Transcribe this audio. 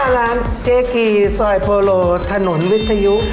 ร้านเจ๊กีซอยโพโลถนนวิทยุ